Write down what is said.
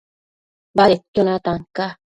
Badedquio natan ca